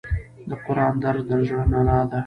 د قرآن درس د زړه رڼا ده.